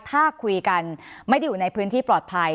ถ้าคุยกันไม่ได้อยู่ในพื้นที่ปลอดภัย